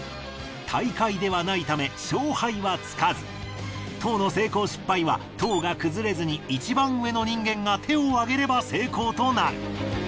大会ではないため勝敗はつかず塔の成功失敗は塔が崩れずに１番上の人間が手を挙げれば成功となる。